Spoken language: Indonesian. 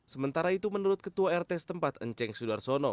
sementara itu menurut ketua rt setempat enceng sudarsono